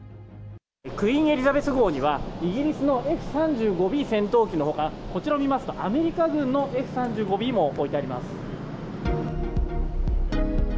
クイーン・エリザベス号にはイギリスのＦー３５Ｂ戦闘機のほか、こちらを見ますと、アメリカ軍のＦー３５Ｂも置いてあります。